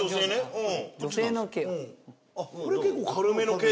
うん。